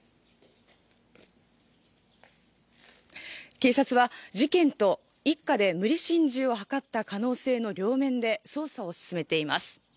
警察は、事件と一家で無理心中を図った可能性の両面で捜査を進めています。